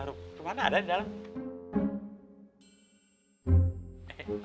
rumah nanya ada di dalam